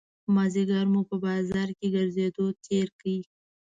مازیګری مو په بازار کې ګرځېدو تېر کړ.